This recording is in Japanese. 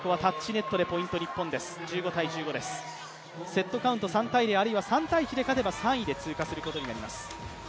セットカウント３−０あるいは３−１で勝てば３位で通過することになります。